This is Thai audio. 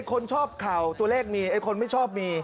คนชอบเข่าตัวเลขมีไอ้คนไม่ชอบมี